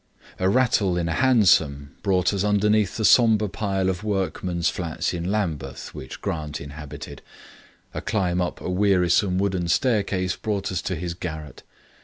A rattle in a hansom brought us underneath the sombre pile of workmen's flats in Lambeth which Grant inhabited; a climb up a wearisome wooden staircase brought us to his garret.